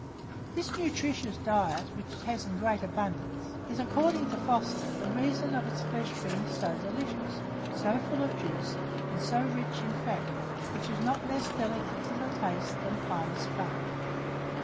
This nutritious diet, which it has in great abundance, is, according to Foster, the reason of its flesh being so delicious, so full of juice, and so rich in fat, which is not less delicate to the taste than the finest butter.